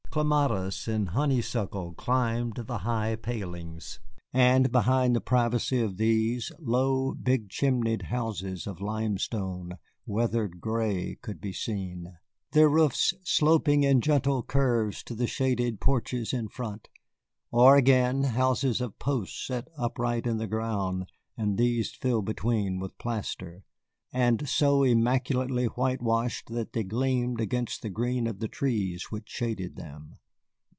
Clematis and honeysuckle climbed the high palings, and behind the privacy of these, low, big chimneyed houses of limestone, weathered gray, could be seen, their roofs sloping in gentle curves to the shaded porches in front; or again, houses of posts set upright in the ground and these filled between with plaster, and so immaculately whitewashed that they gleamed against the green of the trees which shaded them.